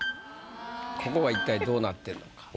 ここは一体どうなってるのか。